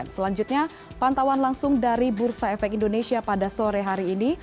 selanjutnya pantauan langsung dari bursa efek indonesia pada sore hari ini